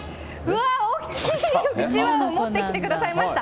うわー、大きいうちわを持ってきてくださいました。